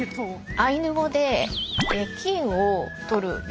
アイヌ語で金を採る山。